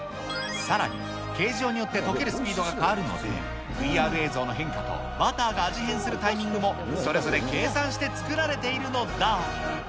さらに、形状によって溶けるスピードが変わるので、ＶＲ映像の変化とバターが味変するタイミングもそれぞれ計算して作られているのだ。